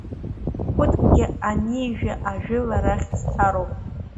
Ԥыҭкгьы анижәы ажәыларахь сцароуп!